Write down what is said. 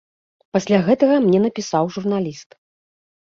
Пасля гэтага мне напісаў журналіст.